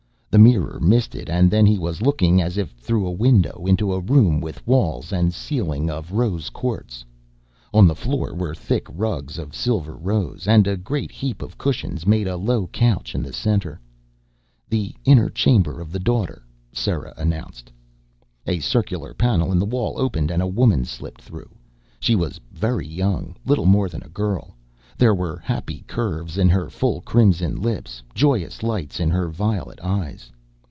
The mirror misted and then he was looking, as if through a window, into a room with walls and ceiling of rose quartz. On the floor were thick rugs of silver rose. And a great heap of cushions made a low couch in the center. "The inner chamber of the Daughter," Sera announced. A circular panel in the wall opened and a woman slipped through. She was very young, little more than a girl. There were happy curves in her full crimson lips, joyous lights in her violet eyes.